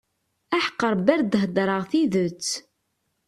Aḥeqq Rebbi ar d-heddṛeɣ tidet.